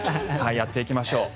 やっていきましょう。